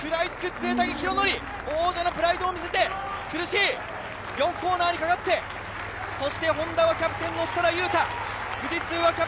食らいつく潰滝大記、王者のプライドを見せて、苦しい、４コーナーにかかってＨｏｎｄａはキャプテンの設楽悠太。